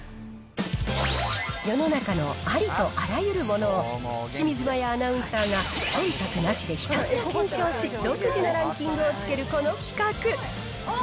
世の中のありとあらゆるものを、清水麻椰アナウンサーがそんたくなしでひたすら検証し、独自のランキングをつけるこの企画。